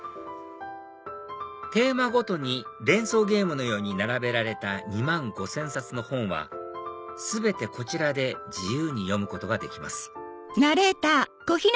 テーマごとに連想ゲームのように並べられた２万５０００冊の本は全てこちらで自由に読むことができます